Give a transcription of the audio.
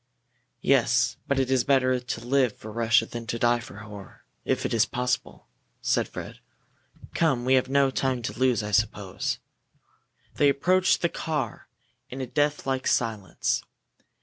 "Yes, but it is better to live for Russia than to die for her, if it is possible," said Fred. "Come! We have no time to lose, I suppose." They approached the car in a death like silence.